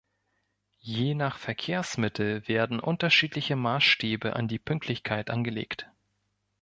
Je nach Verkehrsmittel werden unterschiedliche Maßstäbe an die Pünktlichkeit angelegt.